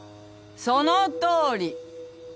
・そのとおり。